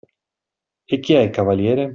E chi è il cavaliere?